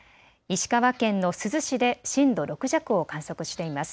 石川県の珠洲市で震度６弱を観測しています。